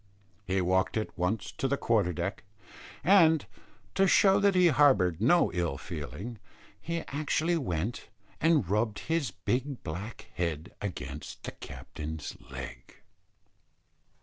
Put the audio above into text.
He walked at once to the quarter deck; and, to show that he harboured no ill feeling, he actually went and rubbed his big black head against the captain's leg.